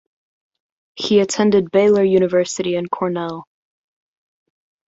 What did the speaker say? He attended Baylor University and Cornell.